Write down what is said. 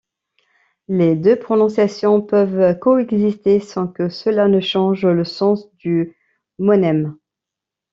Les deux prononciations peuvent coexister sans que cela ne change le sens du monème.